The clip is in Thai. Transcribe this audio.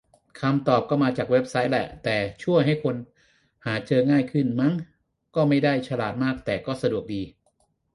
คำตอบก็มาจากเว็บไซต์แหละ แต่ช่วยให้คนหาเจอง่ายขึ้น มั้ง ก็ไม่ได้ฉลาดมาก แต่ก็สะดวกดี